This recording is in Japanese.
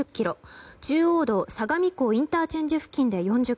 中央道相模湖ＩＣ付近で４０ｋｍ